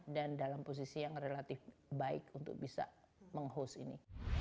dan dalam posisi yang relatif baik untuk bisa meng host ini